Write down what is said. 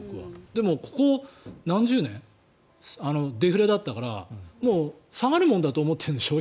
でもここ何十年デフレだったからもう下がるもんだと思ってるでしょ。